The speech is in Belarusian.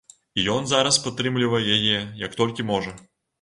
І ён зараз падтрымлівае яе, як толькі можа.